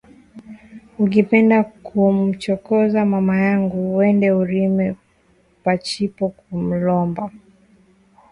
Uki penda kumu chokoza mama yangu wende urime pashipo ku mulomba